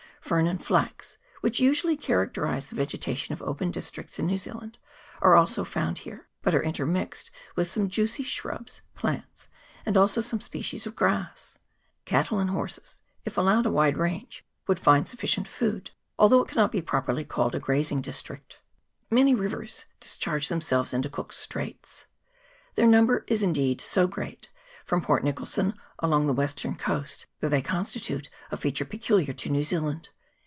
Fern and flax, which usually characterise the vegetation of open districts in New Zealand, are also found here, but are intermixed with some juicy shrubs, plants, and also some species of grass. Cattle and horses, if allowed a wide range, would find sufficient food, although it cannot pro perly be called a grazing district. Many rivers discharge themselves into Cook's Straits. Their number is indeed so great, from Port Nicholson along the western coast, that they constitute a feature peculiar to New Zealand.